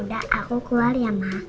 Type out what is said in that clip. udah aku keluar ya maaf